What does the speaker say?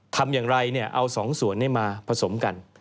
ทำอย่างไรเอาสองส่วนนี้มาผสมกัน